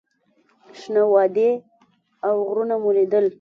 شنه وادي او غرونه مو لیدل.